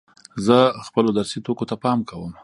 زه خپلو درسي توکو ته پام کوم.